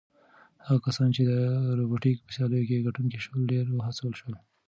هغه کسان چې د روبوټیک په سیالیو کې ګټونکي شول ډېر وهڅول شول.